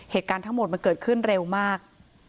เหตุการณ์ทั้งหมดมันเกิดขึ้นเร็วมาก